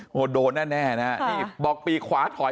โหโดนแน่นะบอกปีกขวาถอย